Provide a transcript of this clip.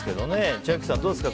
千秋さん、どうですか。